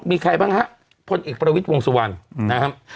มีใครบ้างฮะพลเอกปรวิติวงศวรรณ์อืมนะฮะ